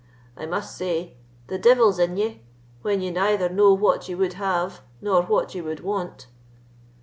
I must say, the devil's in ye, when ye neither know what you would have nor what you would want."